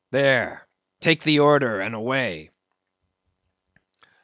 There, take the order, and away.